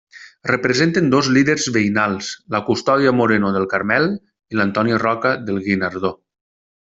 Representen dos líders veïnals: la Custòdia Moreno del Carmel i l’Antoni Roca del Guinardó.